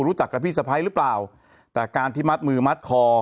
รู้จักกับพี่สะพ้ายหรือเปล่าแต่การที่มัดมือมัดคอ